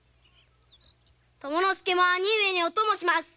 友之助も兄上にお供します。